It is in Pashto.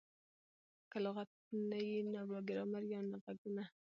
که لغت نه يي؛ نه به ګرامر يي او نه ږغونه.